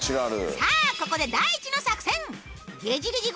さあここで第一の作戦。